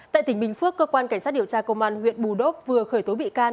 tại tỉnh bình phước cơ quan cảnh sát điều tra công an huyện bù đốc vừa khởi tố bị can